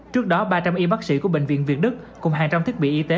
trước đó ba trăm linh y bác sĩ của bệnh viện việt đức cùng hàng trăm thiết bị y tế